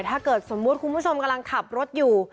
ถ้าเกิดสมมุติคุณผู้ชมกำลังขับรถอยู่